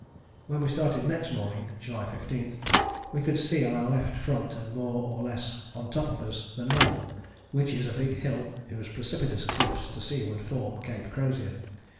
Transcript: When we started next morning (July 15) we could see on our left front and more or less on top of us the Knoll, which is a big hill whose precipitous cliffs to seaward form Cape Crozier.